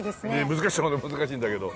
難しいそう難しいんだけど。